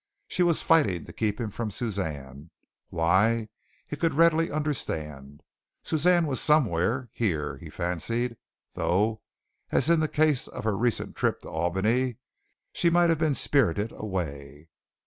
She was fighting to keep him from Suzanne, why he could readily understand. Suzanne was somewhere, here, he fancied, though, as in the case of her recent trip to Albany, she might have been spirited away.